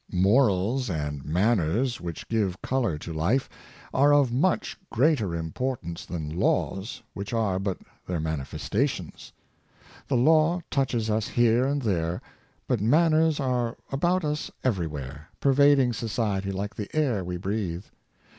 Morals and manners, which give color to life, are of much greater importance than laws, which are but their manifestations. The law touches us here and there, but manners are about us everywhere, pervading society like the air we breathe.